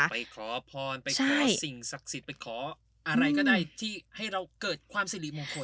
ไปขอพรไปขอสิ่งศักดิ์สิทธิ์ไปขออะไรก็ได้ที่ให้เราเกิดความสิริมงคล